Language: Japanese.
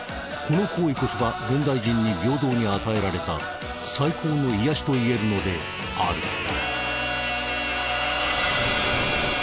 この行為こそが現代人に平等に与えられた最高の癒やしといえるのである